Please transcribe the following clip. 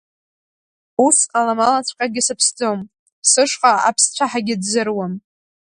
Ус аламалаҵәҟьагьы сыԥсӡом, сышҟа аԥсцәаҳагьы дзыруам…